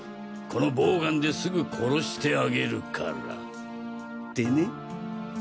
このボウガンですぐ殺してあげるから」ってね。